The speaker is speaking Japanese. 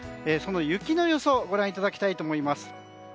その雪の予想をご覧いただきたいと思います。